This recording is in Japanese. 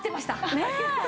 ねえ！